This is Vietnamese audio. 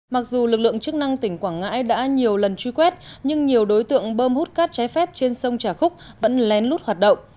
mặc dù lực lượng chức năng tỉnh quảng ngãi đã nhiều lần truy quét nhưng nhiều đối tượng bơm hút cát trái phép trên sông trà khúc vẫn lén lút hoạt động